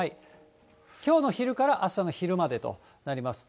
きょうの昼からあしたの昼までとなります。